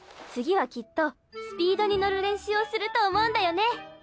次はきっとスピードに乗る練習をすると思うんだよね。